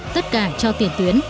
tất cả cho tiền tuyến